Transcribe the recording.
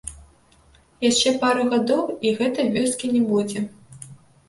Яшчэ пару гадоў, і гэтай вёскі не будзе.